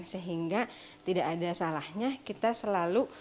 sehingga tidak ada salahnya kita selalu